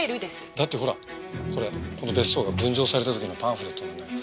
だってほらこれこの別荘が分譲された時のパンフレットなんだけど。